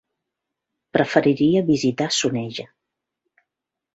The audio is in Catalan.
Preferiria visitar Soneja.